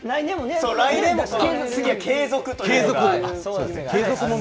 そう、来年も継続ということで。